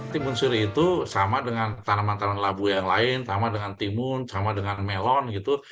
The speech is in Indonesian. timun siri itu sama dengan tanaman tanaman labu yang lain sama dengan timun sama dengan melon gitu